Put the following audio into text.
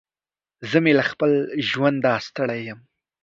زه مې له خپل ژونده ستړی يم.